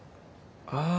ああ。